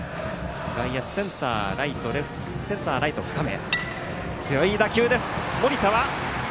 外野手、センター、ライト深め。